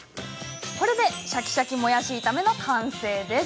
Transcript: シャキシャキもやし炒めの完成です。